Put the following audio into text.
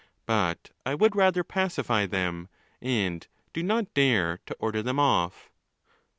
But I would rather pacify them, and dp not dare to order them off.